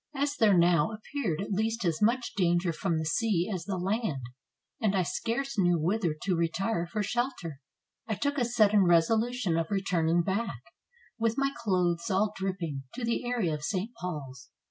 As there now ap peared at least as much danger from the sea as the land, and I scarce knew whither to retire for shelter, I took a sudden resolution of returning back, with my clothes all dripping, to the area of St. Paul's.